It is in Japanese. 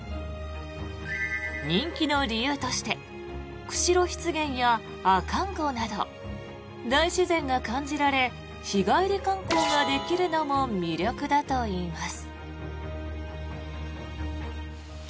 人気の理由として釧路湿原や阿寒湖など大自然が感じられ日帰り観光ができるのも魅力だといいます。